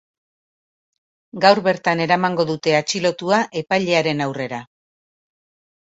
Gaur bertan eramango dute atxilotua epailearen aurrera.